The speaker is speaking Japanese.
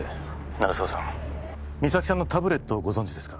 鳴沢さん実咲さんのタブレットをご存じですか？